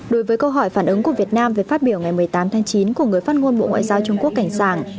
đối với câu hỏi phản ứng của việt nam về phát biểu ngày một mươi tám tháng chín của người phát ngôn bộ ngoại giao trung quốc cảnh sàng